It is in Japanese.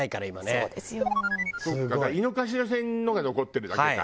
そっかだから井の頭線のが残ってるだけか。